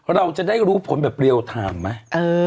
เราจะได้รู้ผลแบบเรียลไทม์ไหม